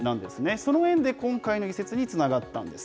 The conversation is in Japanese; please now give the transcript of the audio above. その縁で今回の移設につながったんです。